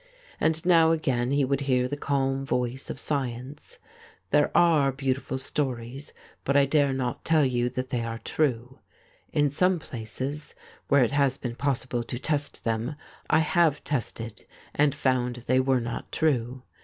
And now again he would hear the calm voice of science :' There are beautiful stories, but I dare not tell you .that they are true. In some places, where it has been possible to test them, I have tested and found they were not true.